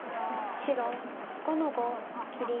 白５の五切り。